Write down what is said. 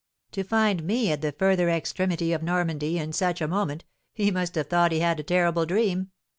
To find me at the further extremity of Normandy, in such a moment, he must have thought he had a terrible dream.